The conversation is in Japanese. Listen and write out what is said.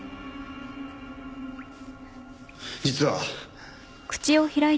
実は。